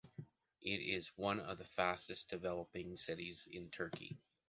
It is one of the fastest developing cities in Turkey.